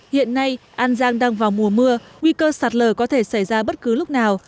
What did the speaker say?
hiện nay an giang đang vào mùa mưa nguy cơ sạt lờ có thể xảy ra bất cứ lúc nào